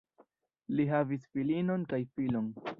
Li havis filinon kaj filon.